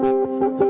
lalu dia nyaman